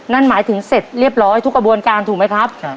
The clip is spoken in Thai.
นั่นหมายถึงเสร็จเรียบร้อยทุกกระบวนการถูกไหมครับ